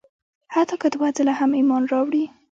حتی که دوه ځله هم ایمان راوړي.